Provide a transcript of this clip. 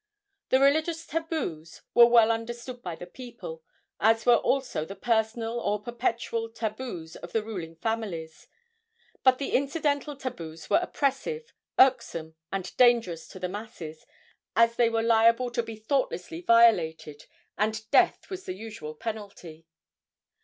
The religious tabus were well understood by the people, as were also the personal or perpetual tabus of the ruling families; but the incidental tabus were oppressive, irksome and dangerous to the masses, as they were liable to be thoughtlessly violated, and death was the usual penalty.